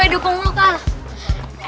oi dukung lu kak